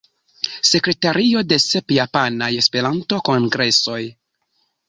Sekretario de sep Japanaj Esperanto-kongresoj.